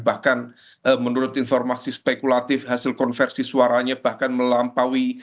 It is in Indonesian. bahkan menurut informasi spekulatif hasil konversi suaranya bahkan melampaui